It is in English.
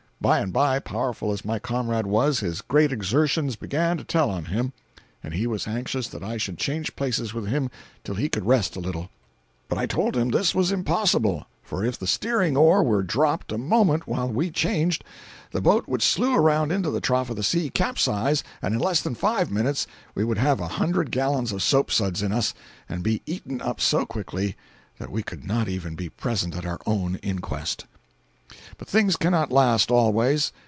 By and by, powerful as my comrade was, his great exertions began to tell on him, and he was anxious that I should change places with him till he could rest a little. But I told him this was impossible; for if the steering oar were dropped a moment while we changed, the boat would slue around into the trough of the sea, capsize, and in less than five minutes we would have a hundred gallons of soap suds in us and be eaten up so quickly that we could not even be present at our own inquest. But things cannot last always.